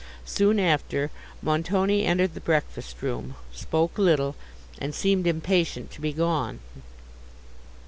Soon after, Montoni entered the breakfast room, spoke little, and seemed impatient to be gone.